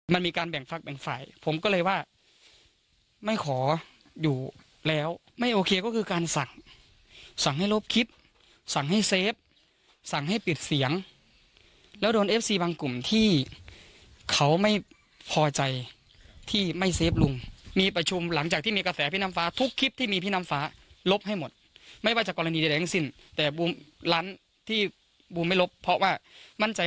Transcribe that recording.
มันมีการแบ่งฟักแบ่งฝ่ายผมก็เลยว่าไม่ขออยู่แล้วไม่โอเคก็คือการสั่งสั่งให้ลบคลิปสั่งให้เซฟสั่งให้ปิดเสียงแล้วโดนเอฟซีบางกลุ่มที่เขาไม่พอใจที่ไม่เซฟลุงมีประชุมหลังจากที่มีกระแสพี่น้ำฟ้าทุกคลิปที่มีพี่น้ำฟ้าลบให้หมดไม่ว่าจะกรณีใดทั้งสิ้นแต่บูมร้านที่บูมไม่ลบเพราะว่ามั่นใจ